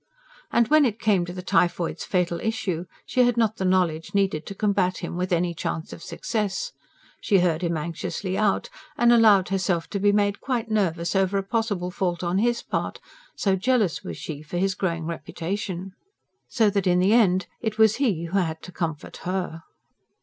And when it came to the typhoid's fatal issue, she had not the knowledge needed to combat him with any chance of success. She heard him anxiously out, and allowed herself to be made quite nervous over a possible fault on his part, so jealous was she for his growing reputation. So that in the end it was he who had to comfort her.